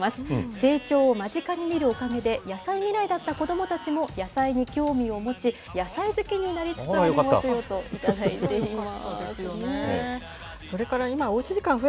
成長を間近に見るおかげで野菜嫌いだった子どもたちも野菜に興味を持ち、野菜好きになりますよと頂いています。